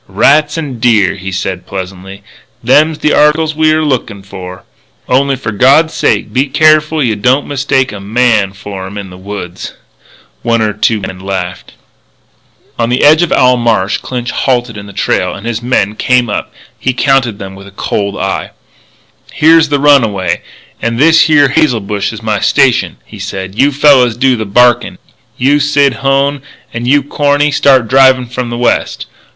"Rats an' deer," he said pleasantly. "Them's the articles we're lookin' for. Only for God's sake be careful you don't mistake a man for 'em in the woods." One or two men laughed. On the edge of Owl Marsh Clinch halted in the trail, and, as his men came up, he counted them with a cold eye. "Here's the runway and this here hazel bush is my station," he said. "You fellas do the barkin'. You, Sid Hone, and you, Corny, start drivin' from the west.